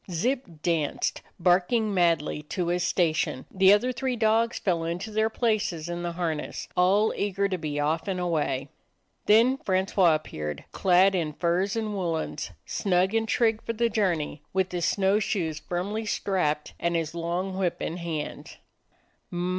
Zip danced, barking madly, to his station; the other three dogs fell into their places in the harness, all eager to be off and away. Then Francois appeared, clad in furs and woolens, snug and trig for the journey, with his snow shoes firmly strapped and his long whip in hand.